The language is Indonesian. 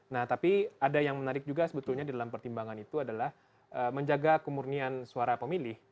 nah tapi ada yang menarik juga sebetulnya di dalam pertimbangan itu adalah menjaga kemurnian suara pemilih